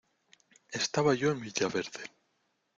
Estaba yo en villaverde.